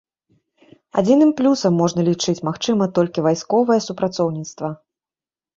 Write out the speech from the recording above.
Адзіным плюсам можна лічыць, магчыма, толькі вайсковае супрацоўніцтва.